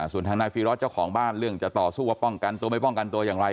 ส่วนทางนายฟีรอสเจ้าของบ้านเรื่องจะต่อสู้ว่าป้องกันตัวไม่ป้องกันตัวอย่างไร